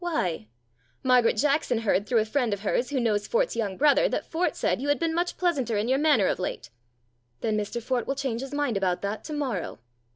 Why ?"" Margaret Jackson heard through a friend of hers, who knows Fort's young brother, that Fort said you had been much pleasanter in your manner of late." " Then Mr Fort will change his mind about that to morrow."